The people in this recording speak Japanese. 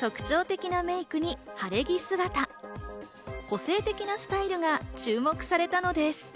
特徴的なメイクに晴れ着姿、個性的なスタイルが注目されたのです。